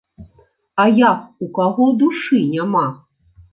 А як у каго душы няма?